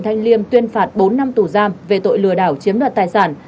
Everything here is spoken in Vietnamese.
thanh liêm tuyên phạt bốn năm tù giam về tội lừa đảo chiếm đoạt tài sản